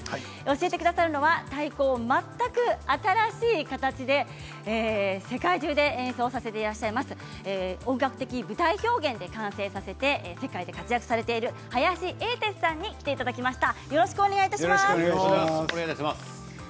教えてくださるのは太鼓を全く新しい形で世界中で演奏させていらっしゃいます音楽的舞台表現で完成させて世界で活躍されている林英哲さんに来ていただきました。